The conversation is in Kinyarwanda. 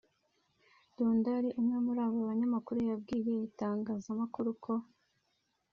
Dundar umwe muri abo banyamakuru yabwiye itangazamakuru ko